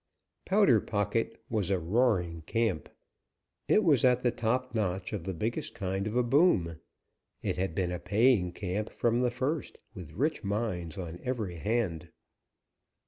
Powder Pocket was a roaring camp. It was at the top notch of the biggest kind of a boom. It had been a paying camp from the first, with rich mines on every hand.